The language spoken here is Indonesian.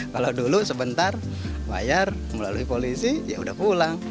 kalau dulu sebentar bayar melalui polisi ya udah pulang